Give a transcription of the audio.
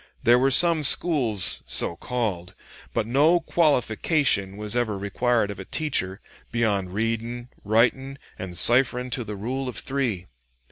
There were some schools so called, but no qualification was ever required of a teacher beyond 'readin', writin', and cipherin' to the Rule of Three.'